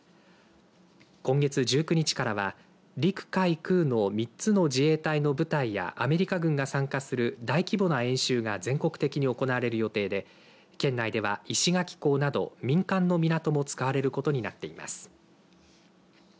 今月１９日からは陸・海・空の３つの自衛隊の部隊やアメリカ軍が参加する大規模な演習が全国的に行われる予定で県内では、石垣港など民間の港も使われることになっています。